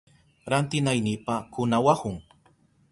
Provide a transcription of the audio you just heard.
Rantinaynipa kunawahun.